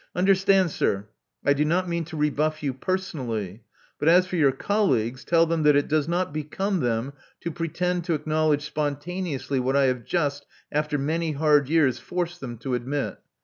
Understand, sir: I do not mean to rebuff you personally. But as for your colleagues, tell them that it does not become them to pretend to acknowledge spontaneously what I have just, after many hard years, forced them to admit.